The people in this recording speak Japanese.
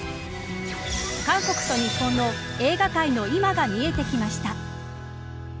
韓国と日本の映画界の今が見えてきました。